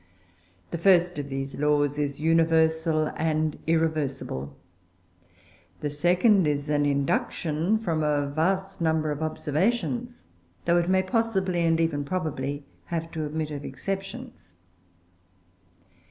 The first of these laws is universal and irreversible; the second is an induction from a vast number of observations, though it may possibly, and even probably, have to admit of exceptions.